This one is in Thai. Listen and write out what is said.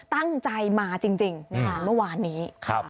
ตั้งใจมาจริงเมื่อวานนี้